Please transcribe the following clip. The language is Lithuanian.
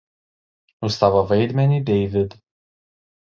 Už savo vaidmenį David.